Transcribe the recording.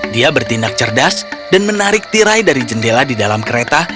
dia bertindak cerdas dan menarik tirai dari jendela di dalam kereta